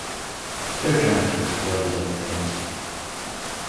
They're trying to explore these other themes.